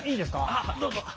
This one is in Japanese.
あっどうぞ。